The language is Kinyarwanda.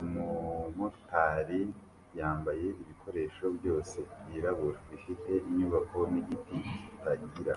Umumotari yambaye ibikoresho byose byirabura bifite inyubako nigiti kitagira